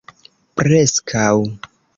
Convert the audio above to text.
preskaŭ